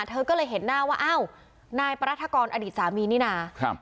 เธอก็เลยเห็นหน้าว่าอ้าวนายปรัฐกรอดีตสามีนี่นะครับ